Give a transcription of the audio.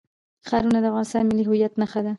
ښارونه د افغانستان د ملي هویت نښه ده.